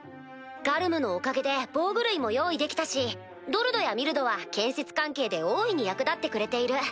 ガルムのおかげで防具類も用意できたしドルドやミルドは建設関係で大いに役立ってくれている。